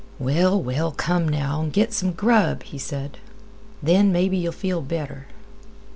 "Well, well, come now, an' git some grub," he said. "Then, maybe, yeh'll feel better."